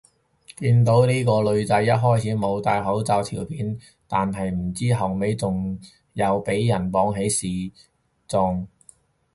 見到呢個女仔一開始冇戴口罩條片，但係唔知後尾仲有俾人綁起示眾